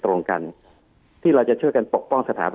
คุณหมอประเมินสถานการณ์บรรยากาศนอกสภาหน่อยได้ไหมคะ